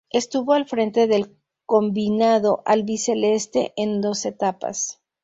Estuvo al frente del combinado albiceleste en dos etapas.